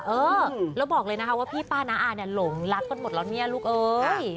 ก็จะบอกเลยนะครับว่าพี่ปานาอาลลงลักกว่าหมดแล้วเรี่ยลุกเอ๊ย